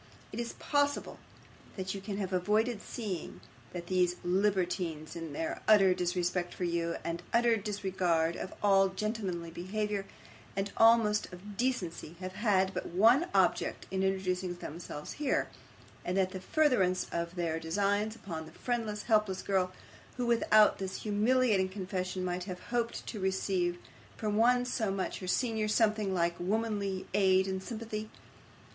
Is it possible that you can have avoided seeing, that these libertines, in their utter disrespect for you, and utter disregard of all gentlemanly behaviour, and almost of decency, have had but one object in introducing themselves here, and that the furtherance of their designs upon a friendless, helpless girl, who, without this humiliating confession, might have hoped to receive from one so much her senior something like womanly aid and sympathy?